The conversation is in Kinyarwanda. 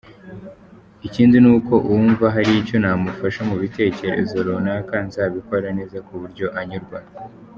Ikindi nuko uwumva haricyo namufasha mu bitekerezo runaka nzabikora neza kuburyo anyurwa.